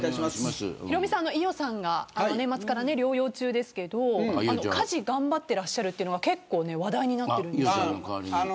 ヒロミさんは伊代さんが年末から療養中ですけど家事、頑張ってらっしゃるというのが話題になっているんですよ。